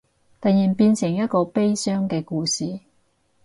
突然變成一個悲傷嘅故事